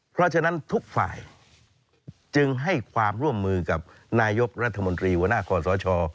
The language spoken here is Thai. เพราะฉะนั้นทุกฝ่ายจึงให้ความร่วมมือกับนายกรัฐมนตรีหัวหน้าคอสช